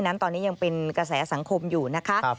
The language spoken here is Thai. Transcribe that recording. นั้นตอนนี้ยังเป็นกระแสสังคมอยู่นะคะ